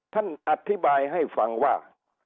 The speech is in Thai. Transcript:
ท่านอธิบายให้ฟังว่า